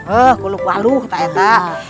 eh kulub walu teteh